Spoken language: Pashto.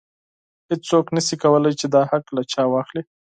هیڅوک نشي کولی چې دا حق له چا واخلي.